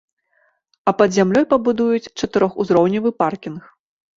А пад зямлёй пабудуюць чатырохузроўневы паркінг.